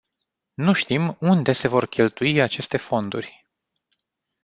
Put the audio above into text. Nu știm unde se vor cheltui aceste fonduri.